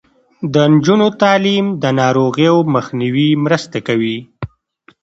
د نجونو تعلیم د ناروغیو مخنیوي مرسته کوي.